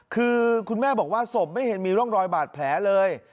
คือคุณแม่บอกว่าศพไม่เห็นมีร่องรอยบาดแผลเลย